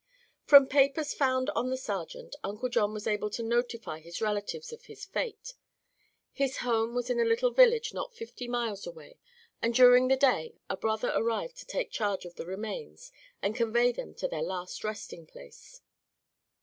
From papers found on the sergeant Uncle John was able to notify his relatives of his fate. His home was in a little village not fifty miles away and during the day a brother arrived to take charge of the remains and convey them to their last resting place.